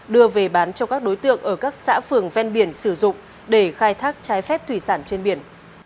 đưa về bán cho các đối tượng ở các xã phường ven biển sử dụng để khai thác trái phép thủy sản trên biển